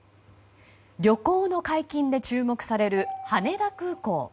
旅行の解禁で注目される羽田空港。